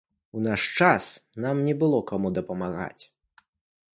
У наш час нам не было каму дапамагаць.